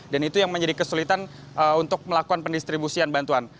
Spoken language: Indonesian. dan itu yang menjadi kesulitan untuk melakukan pendistribusian bantuan